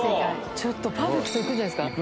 ちょっとパーフェクト行くんじゃないですか？